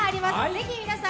ぜひ皆さん